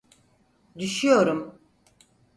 Düşüyorum!